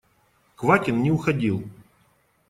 Квакин не уходил.